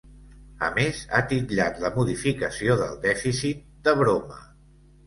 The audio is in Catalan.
A més, ha titllat la modificació del dèficit de ‘broma’